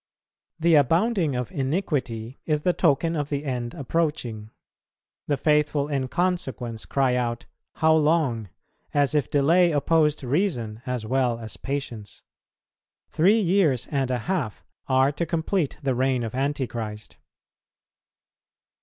The abounding of iniquity is the token of the end approaching; the faithful in consequence cry out, How long? as if delay opposed reason as well as patience. Three years and a half are to complete the reign of Antichrist.